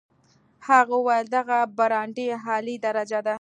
هغه وویل دغه برانډې اعلی درجه ده.